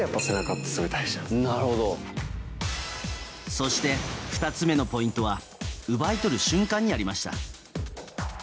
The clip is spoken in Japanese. そして２つ目のポイントは奪い取る瞬間にありました。